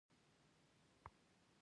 ضعیفه حکومتونه رامنځ ته شول